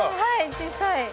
小さい。